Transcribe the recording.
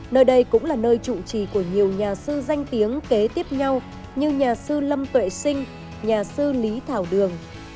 nơi đây cũng là nơi trụ trì của nhiều nhà sư danh tiếng kế tiếp nhau như nhà sư lâm tuệ sinh nhà sư lý thảo đường